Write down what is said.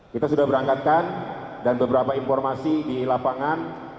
kita sudah berangkatkan dan beberapa informasi di lapangan